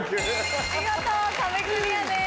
見事壁クリアです。